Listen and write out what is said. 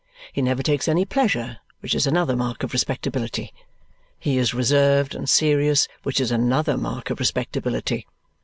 He never takes any pleasure, which is another mark of respectability. He is reserved and serious, which is another mark of respectability.